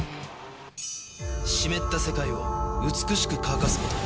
湿った世界を美しく乾かすこと。